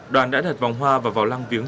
đoàn đã đặt vòng hoa vào lăng viếng